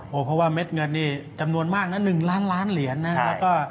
เพราะว่าเม็ดเงินนี่จำนวนมากนะ๑ล้านล้านเหรียญนะครับ